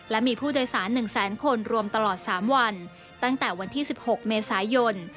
และมีผู้โดยสาร๑แสนคนรวมตลอด๓วันตั้งแต่วันที่๑๖เมษายน